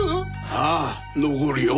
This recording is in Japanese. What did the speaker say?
ああ残るよ。